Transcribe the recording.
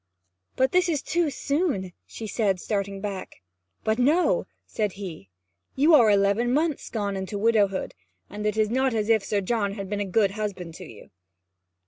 'But this is too soon,' she said, starting back. 'But no,' said he. 'You are eleven months gone in widowhood, and it is not as if Sir John had been a good husband to you.'